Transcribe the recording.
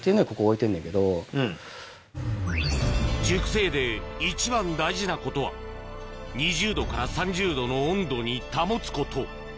熟成で一番大事なことは２０℃から３０℃の温度に保つこと